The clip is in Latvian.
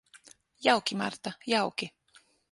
Jauki, Marta, jauki.